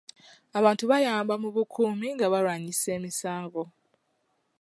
Abantu bayamba mu bukuumi nga balwanyisa emisango.